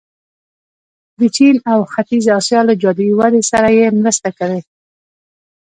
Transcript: د چین او ختیځې اسیا له جادويي ودې سره یې مرسته کړې.